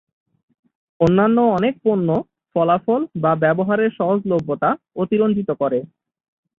অন্যান্য অনেক পণ্য ফলাফল বা ব্যবহারের সহজলভ্যতা অতিরঞ্জিত করে।